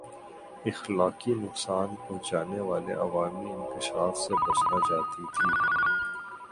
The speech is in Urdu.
اخلاقی نقصان پہچانے والے عوامی انکشاف سے بچنا چاہتی تھِی